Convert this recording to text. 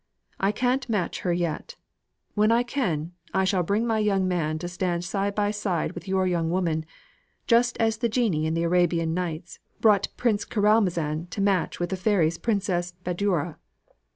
I can't match her yet. When I can, I shall bring my young man to stand side by side with your young woman, just as the genii in the Arabian Nights brought Prince Caralmazan to match with the fairy's Princess Badoura."